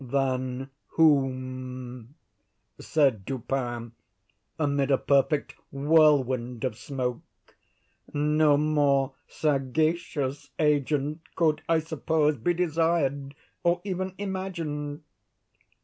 "Than whom," said Dupin, amid a perfect whirlwind of smoke, "no more sagacious agent could, I suppose, be desired, or even imagined."